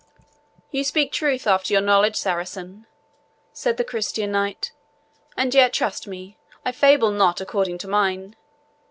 "You speak truth after your knowledge, Saracen," said the Christian knight; "and yet, trust me, I fable not, according to mine.